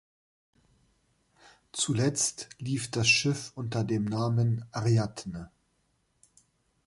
Zuletzt lief das Schiff unter dem Namen "Ariadne".